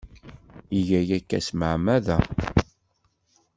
Iga aya s tmeɛmada.